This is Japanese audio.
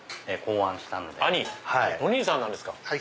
お兄さんなんですか？